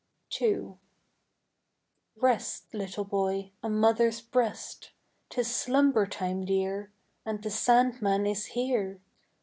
II R EST, little boy, on mother's breast. 'Tis slumber time dear ^ And the sand man is here.